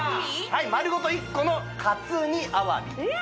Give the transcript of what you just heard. はい丸ごと１個の活煮アワビ